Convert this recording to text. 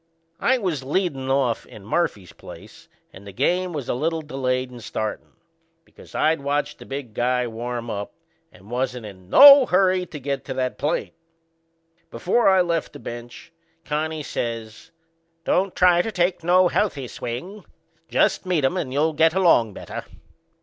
I was leadin' off in Murphy's place and the game was a little delayed in startin', because I'd watched the big guy warm up and wasn't in no hurry to get to that plate. Before I left the bench Connie says: Don't try to take no healthy swing. Just meet 'em and you'll get a long better."